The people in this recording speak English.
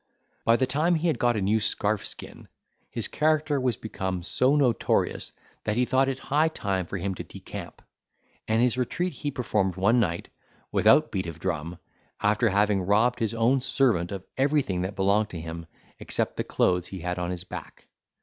By the time he had got a new scarf skin his character was become so notorious, that he thought it high time for him to decamp; and his retreat he performed in one night, without beat of drum, after having robbed his own servant of everything that belonged to him except the clothes he had on his back.